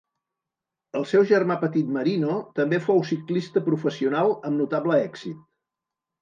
El seu germà petit Marino també fou ciclista professional amb notable èxit.